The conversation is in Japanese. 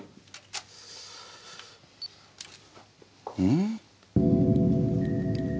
うん？